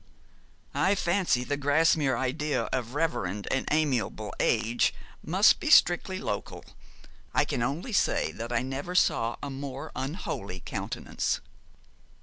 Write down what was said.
'I fancy the Grasmere idea of reverend and amiable age must be strictly local. I can only say that I never saw a more unholy countenance.'